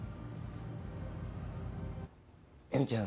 江美ちゃん